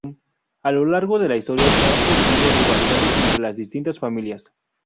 A lo largo de la historia se han producido rivalidades entre las distintas familias.